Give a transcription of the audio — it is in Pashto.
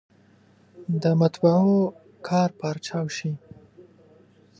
د مطبعو کار پارچاو شي.